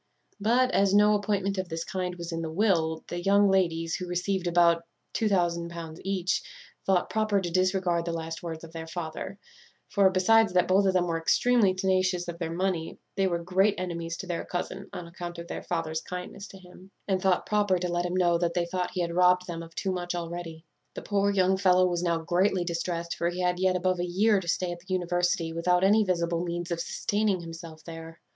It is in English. "But, as no appointment of this kind was in the will, the young ladies, who received about each, thought proper to disregard the last words of their father; for, besides that both of them were extremely tenacious of their money, they were great enemies to their cousin, on account of their father's kindness to him; and thought proper to let him know that they thought he had robbed them of too much already. "The poor young fellow was now greatly distrest; for he had yet above a year to stay at the university, without any visible means of sustaining himself there.